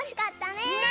ねえ！